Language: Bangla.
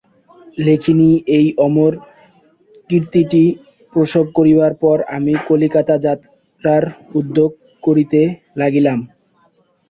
লেখনী এই অমর কীর্তিটি প্রসব করিবার পর আমি কলিকাতা যাত্রার উদ্যোগ করিতে লাগিলাম।